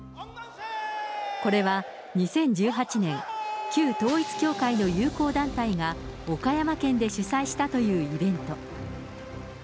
これは、２０１８年、旧統一教会の友好団体が、岡山県で主催したというイベント。